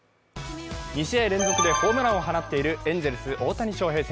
２試合連続でホームランを放っているエンゼルス・大谷翔平。